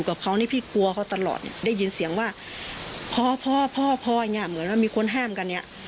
กับเขานี่พี่กลัวเขาตลอดได้ยินเสียงว่าพอเหมือนว่ามีคนห้ามกันเนี่ย